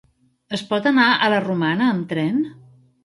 Es pot anar a la Romana amb tren?